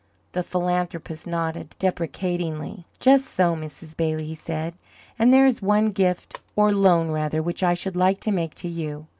The philanthropist nodded, deprecatingly. "Just so, Mrs. Bailey," he said. "And there is one gift or loan rather which I should like to make to you.